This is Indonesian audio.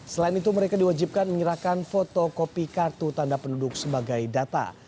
selain itu mereka diwajibkan menyerahkan fotokopi kartu tanda penduduk sebagai data